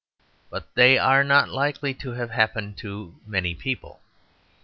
But they are not likely to have happened to many people.